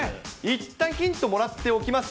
いったん、ヒントもらっておきます？